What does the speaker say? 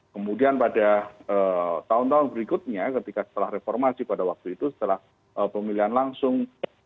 kemudian pada tahun tahun berikutnya ketika setelah reformasi pada waktu itu setelah pemilihan langsung